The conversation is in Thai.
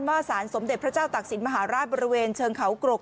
ว่าสารสมเด็จพระเจ้าตักศิลปมหาราชบริเวณเชิงเขากรก